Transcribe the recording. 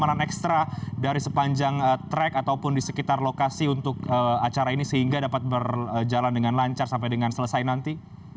apakah anda bisa mengatasi bagaimana cara yang telah anda lakukan untuk mencapai keadaan yang terbaik di sekitar lokasi dan di sekitar acara ini sehingga dapat berjalan dengan lancar sampai dengan selesai nanti